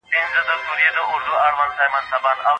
تدریسي نصاب بې دلیله نه تړل کیږي.